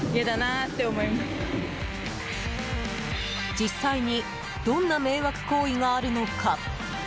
実際にどんな迷惑行為があるのか？